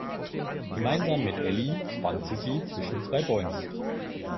Gemeinsam mit Elli spannt sie sie zwischen zwei Bäumen.